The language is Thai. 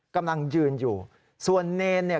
กำลังยืนอยู่ส่วนเนรเนี่ย